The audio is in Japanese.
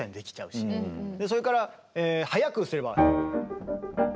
それから速くすれば。